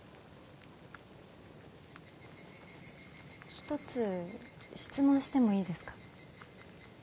一つ質問してもいいですか？